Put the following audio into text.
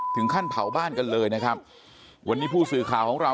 ถึงขั้นเผาบ้านกันเลยนะครับวันนี้ผู้สื่อข่าวของเรา